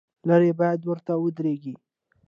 لرې باید ورته ودرېږې.